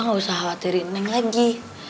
aku gak usah khawatirin neng lagi